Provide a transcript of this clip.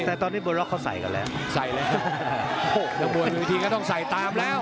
แต่ตอนนี้บนล็อกเขาใส่กันแล้วใส่แล้วจะบนวิธีก็ต้องใส่ตามแล้ว